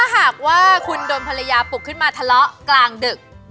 หากว่าคุณโดนภรรยาปลุกขึ้นมาทะเลาะกลางดึก